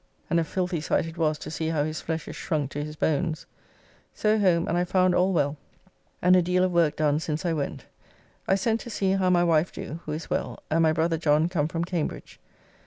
] and a filthy sight it was to see how his flesh is shrunk to his bones. So home and I found all well, and a deal of work done since I went. I sent to see how my wife do, who is well, and my brother John come from Cambridge.